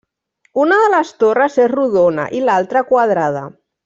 Una de les torres és rodona i l'altra quadrada.